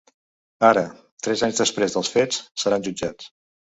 Ara, tres anys després dels fets, seran jutjats.